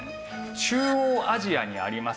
中央アジアにあります